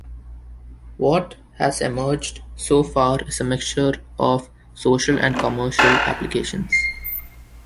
What has emerged so far is a mixture of social and commercial applications.